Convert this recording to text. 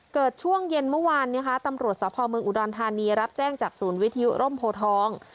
ช่วงเย็นเมื่อวานนะคะตำรวจสภเมืองอุดรธานีรับแจ้งจากศูนย์วิทยุร่มโพทอง